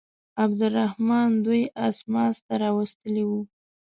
عبدالرحمن دوی اسماس ته راوستلي وه.